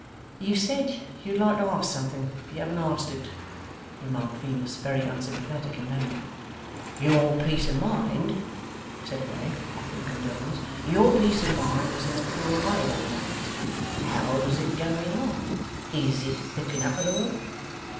'You said you'd like to ask something; but you haven't asked it,' remarked Venus, very unsympathetic in manner. 'Your peace of mind,' said Wegg, offering condolence, 'your peace of mind was in a poor way that night. HOW'S it going on? IS it looking up at all?